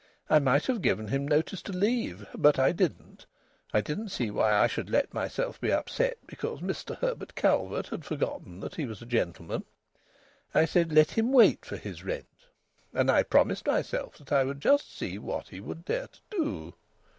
I might have given him notice to leave. But I didn't. I didn't see why I should let myself be upset because Mr Herbert Calvert had forgotten that he was a gentleman. I said, 'Let him wait for his rent,' and I promised myself I would just see what he would dare to do."